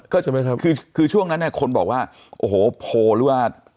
คือช่วงนั้นคนบอกว่าโอ้โหโพลหรือว่า